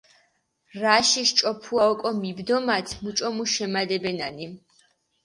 რაშიში ჭოფუა ოკო მიბდომათ მუჭო მუ შიმალებენანი.